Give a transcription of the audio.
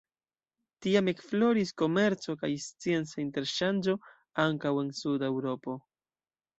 Tiam ekfloris komerco kaj scienca interŝanĝo, ankaŭ en suda Eŭropo.